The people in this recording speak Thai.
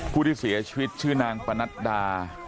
ผู้ที่เสียชีวิตชื่อนางปนัดดา